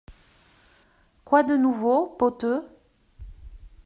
Quoi de nouveau, Poteu ?